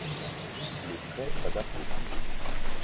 Le trait s'adapte au sujet.